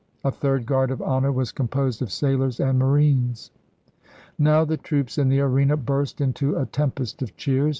A third guard of honor was composed of sailors and marines. Now the troops in the arena burst into a tempest of cheers.